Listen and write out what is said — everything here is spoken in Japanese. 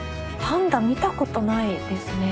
パンダ見たことないですね。